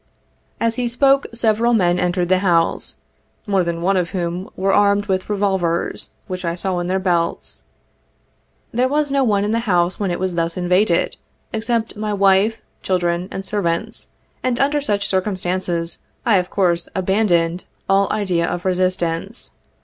As he spoke, several men entered the house, more than one of whom were armed with revolvers, which I saw in their belts. There was no one in the house when it was thus invaded, except my wife, child ren and servants, and under such circumstances, I of course, abandoned all idea of resistance.